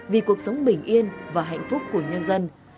vì cuộc sống bình yên và hạnh phúc của nhân dân